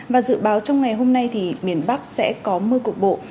và dự báo trong ngày hôm nay thì miền bắc sẽ có mưa cục bộ